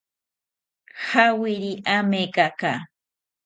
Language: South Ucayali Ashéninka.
Jawiri amekaka